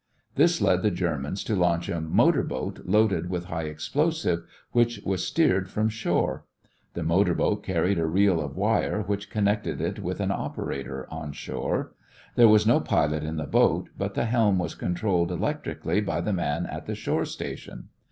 This led the Germans to launch a motor boat loaded with high explosive, which was steered from shore. The motor boat carried a reel of wire which connected it with an operator on shore. There was no pilot in the boat, but the helm was controlled electrically by the man at the shore station.